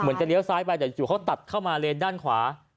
จะเลี้ยวซ้ายไปแต่จู่เขาตัดเข้ามาเลนด้านขวา